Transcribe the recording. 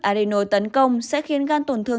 adeno tấn công sẽ khiến gan tổn thương